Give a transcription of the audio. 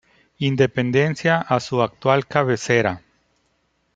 Independencia a su actual cabecera.